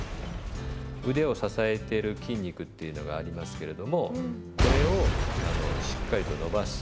腕を支えてる筋肉っていうのがありますけれどもこれをしっかりと伸ばす。